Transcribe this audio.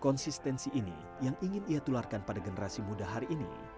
konsistensi ini yang ingin ia tularkan pada generasi muda hari ini